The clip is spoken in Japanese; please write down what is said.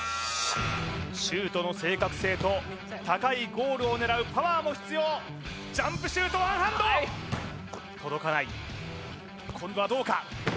シュートの正確性と高いゴールを狙うパワーも必要ジャンプシュートワンハンド届かない今度はどうか？